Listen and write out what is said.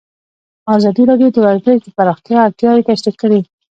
ازادي راډیو د ورزش د پراختیا اړتیاوې تشریح کړي.